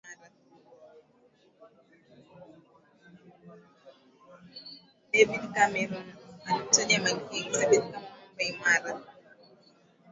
david cameron alimtaja malkia elizabeth kama mwamba imara